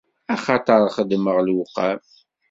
Axaṭer xeddmeɣ lewqam.